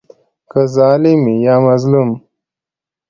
که ظالم وي یا مظلوم.